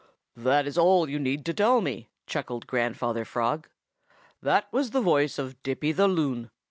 "That is all you need tell me," chuckled Grandfather Frog. "That was the voice of Dippy the Loon.